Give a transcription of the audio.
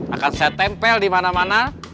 akan saya tempel di mana mana